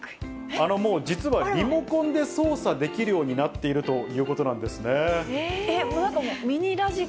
実はリモコンで操作できるようになっているということなんですね。